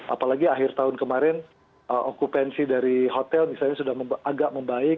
apalagi akhir tahun kemarin okupansi dari hotel misalnya sudah agak membaik